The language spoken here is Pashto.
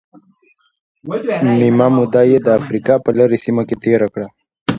نیمه موده یې د افریقا په لرې سیمه کې تېره کړه.